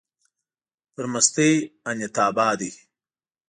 پر مستۍ انيتابا دی